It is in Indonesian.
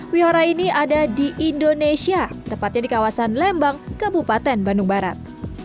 wihara ini ada di indonesia tepatnya di kawasan lembang kabupaten bandung barat